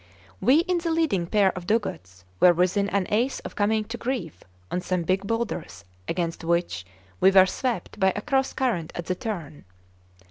We in the leading pair of dugouts were within an ace of coming to grief on some big boulders against which we were swept by a cross current at the turn.